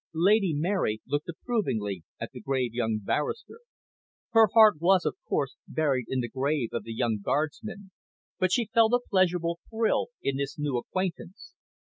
Lady Mary looked approvingly at the grave young barrister. Her heart was, of course, buried in the grave of the young Guardsman, but she felt a pleasurable thrill in this new acquaintance.